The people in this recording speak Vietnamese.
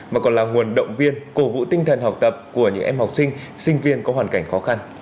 mà còn là nguồn động viên cổ vũ tinh thần học tập của những em học sinh sinh viên có hoàn cảnh khó khăn